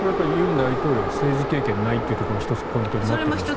尹大統領が政治経験がないというところが１つ、ポイントになってくるんですか。